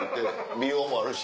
美容もあるし